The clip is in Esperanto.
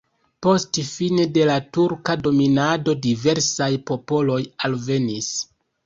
Post fine de la turka dominado diversaj popoloj alvenis.